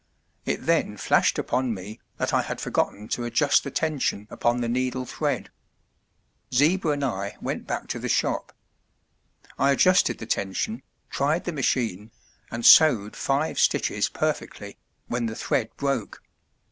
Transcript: It then flashed upon me that I had forgotten to adjust the tension upon the needle thread. Zieber and I went back to the shop. I adjusted the tension, tried the machine, and sewed five stitches perfectly, when the thread broke.